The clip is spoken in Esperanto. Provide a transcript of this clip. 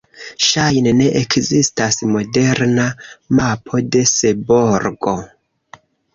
Ŝajne ne ekzistas moderna mapo de Seborgo.